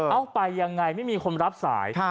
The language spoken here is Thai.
เอาไปยังไงไม่มีคนรับสาย